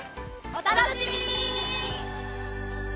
お楽しみに！